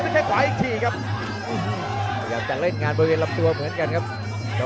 จังหว่าเดชน์นั้นตัวให้มัน